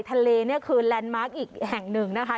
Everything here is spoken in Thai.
ทะเลเนี่ยคือแลนด์มาร์คอีกแห่งหนึ่งนะคะ